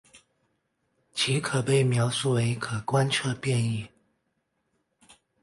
其可被描述为可观测变异。